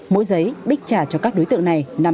mỗi giấy bích trả cho các đối tượng này năm trăm linh đồng